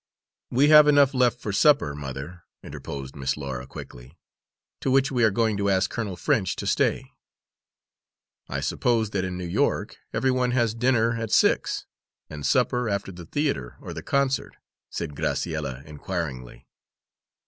"We have enough left for supper, mother," interposed Miss Laura quickly, "to which we are going to ask Colonel French to stay." "I suppose that in New York every one has dinner at six, and supper after the theatre or the concert?" said Graciella, inquiringly.